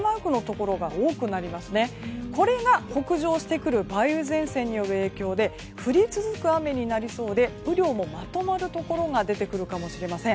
これが北上してくる梅雨前線の影響で降り続く雨になりそうで雨量もまとまるところが出てくるかもしれません。